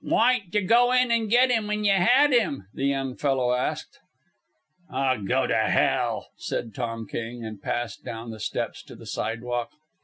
"W'y didn't yuh go in an' get 'im when yuh 'ad 'im?" the young fellow asked. "Aw, go to hell!" said Tom King, and passed down the steps to the sidewalk.